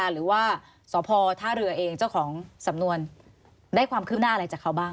หรือว่าสพท่าเรือเองเจ้าของสำนวนได้ความคืบหน้าอะไรจากเขาบ้าง